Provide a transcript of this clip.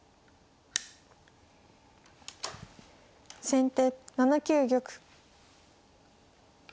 先手７九玉。